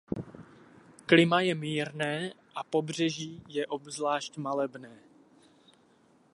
Klima je mírné a pobřeží je obzvlášť malebné.